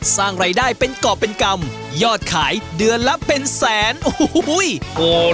สร้างรายได้เป็นกรอบเป็นกรรมยอดขายเดือนละเป็นแสนโอ้โห